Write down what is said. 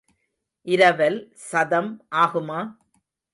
இரவல் சதம் ஆகுமா?